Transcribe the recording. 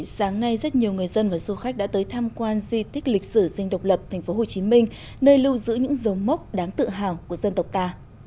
sáng nay rất nhiều người dân và du khách đã tới tham quan di tích lịch sử dinh độc lập tp hcm nơi lưu giữ những dấu mốc đáng tự hào của dân tộc ta